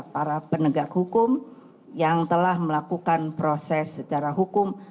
para penegak hukum yang telah melakukan proses secara hukum